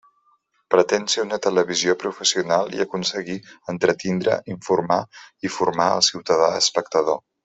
Pretén ser una televisió professional i aconseguir entretindre, informar i formar al ciutadà espectador.